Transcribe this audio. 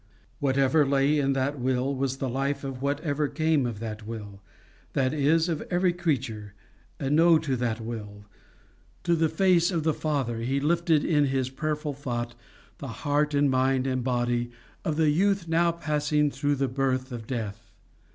Whatever lay in that Will was the life of whatever came of that Will, that is, of every creature, and no to that Will, to the face of the Father, he lifted, in his prayerful thought, the heart and mind and body of the youth now passing through the birth of death.